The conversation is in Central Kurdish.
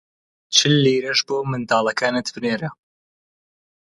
چل لیرەش بۆ منداڵەکانت بنێرە!